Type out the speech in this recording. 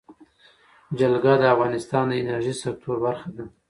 جلګه د افغانستان د انرژۍ سکتور برخه ده.